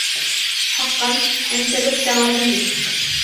حقا ، أنت لست غبيا.